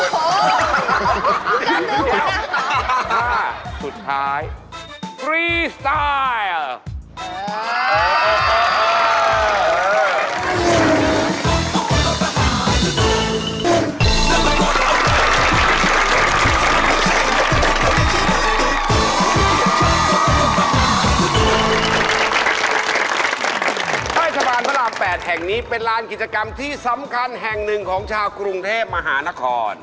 ใต้สะพานพระราม๘แห่งนี้เป็นลานกิจกรรมที่สำคัญแห่งหนึ่งของชาวกรุงเทพมหานคร